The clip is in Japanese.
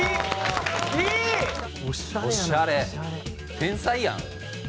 天才やん。